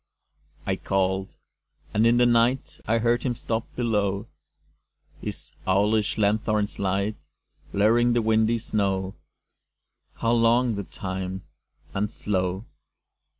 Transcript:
I called. And in the night I heard him stop below, His owlish lanthorn's light Blurring the windy snow How long the time and slow!